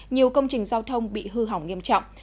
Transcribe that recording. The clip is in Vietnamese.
nhiều công trình giao thông bị hư hỏng nghiêm trọng